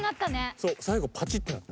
そう最後パチッてなった。